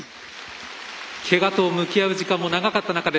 けがと向き合う時間も長かった中で